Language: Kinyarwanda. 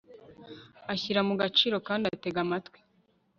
ashyira mu gaciro kandi atega amatwi